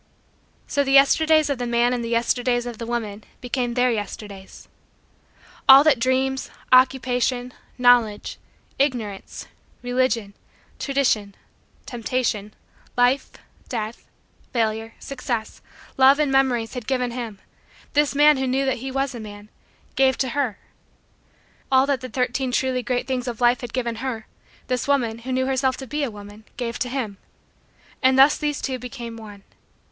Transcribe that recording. So the Yesterdays of the man and the Yesterdays of the woman became Their Yesterdays. All that Dreams, Occupation, Knowledge, Ignorance, Religion, Tradition, Temptation, Life, Death, Failure, Success, Love and Memories had given him, this man who knew that he was a man, gave to her. All that the Thirteen Truly Great Things of Life had given her, this woman who knew herself to be a woman, gave to him. And thus these two became one.